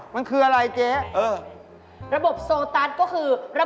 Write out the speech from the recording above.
มาไว้ที่ร้านของเรา